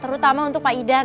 terutama untuk pak idan